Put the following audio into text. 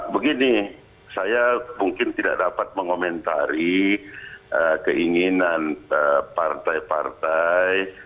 begini saya mungkin tidak dapat mengomentari keinginan partai partai